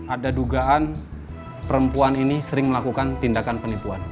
ada dugaan perempuan ini sering melakukan tindakan penipuan